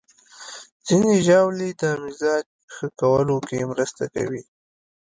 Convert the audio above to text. ځینې ژاولې د مزاج ښه کولو کې مرسته کوي.